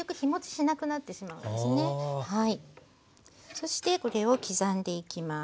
そしてこれを刻んでいきます。